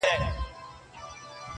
څوک چي ونو سره شپې کوي.